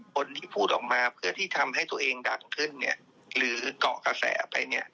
คนที่พูดออกมาเผื่อที่ทำให้ตัวเองดังขึ้นเนี่ยหรือเกาะกระแสไปเนี่ย